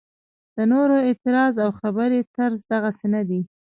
د نورو اعتراض او خبرې طرز دغسې نه دی.